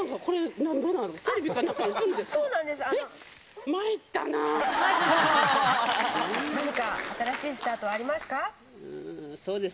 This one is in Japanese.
何か新しいスタートあります